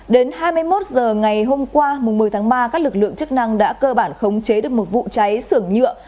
đến hai mươi một h ngày hôm qua một mươi tháng ba các lực lượng chức năng đã cơ bản khống chế được một vụ cháy sưởng nhựa